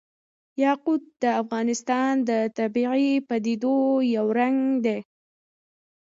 یاقوت د افغانستان د طبیعي پدیدو یو رنګ دی.